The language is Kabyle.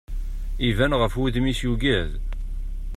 Iban ɣef wudem-is yugad.